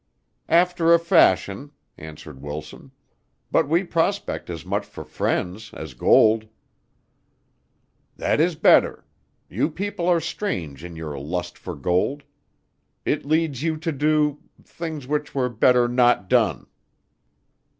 "After a fashion," answered Wilson. "But we prospect as much for friends as gold." "That is better. You people are strange in your lust for gold. It leads you to do things which were better not done."